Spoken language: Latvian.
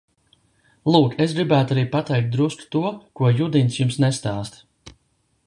Lūk, es gribētu arī pateikt drusku to, ko Judins jums nestāsta.